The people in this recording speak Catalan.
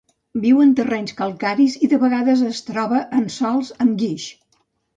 Viu en terrenys calcaris i de vegades es troba en sòls amb guix.